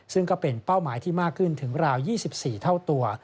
ซึ่งก็เป็นเป้าหมายที่มากขึ้นถึงราว๒๔เท่าตัว